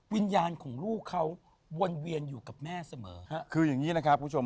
วิญญาณของลูกเขาวนเวียนอยู่กับแม่เสมอฮะคืออย่างนี้นะครับคุณผู้ชม